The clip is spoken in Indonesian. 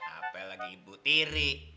apalagi ibu tiri